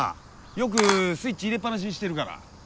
よくスイッチ入れっ放しにしてるから。